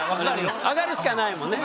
上がるしかないもんね。